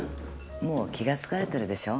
もう気がつかれてるでしょう？